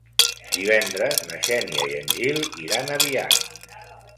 Divendres na Xènia i en Gil iran a Biar.